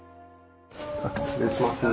失礼します。